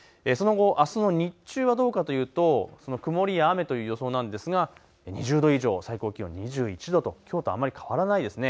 その後、あすの日中はどうかというと曇りや雨という予想なんですが２０度以上、最高気温２１度ときょうとあまり変わらないですね。